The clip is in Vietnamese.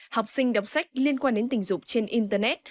học sinh đọc sách liên quan đến tình dục trên internet